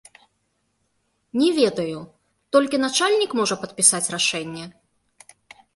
Не ведаю, толькі начальнік можа падпісаць рашэнне?